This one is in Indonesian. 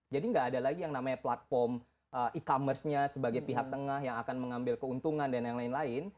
jadi tidak ada lagi yang namanya platform e commerce nya sebagai pihak tengah yang akan mengambil keuntungan dan lain lain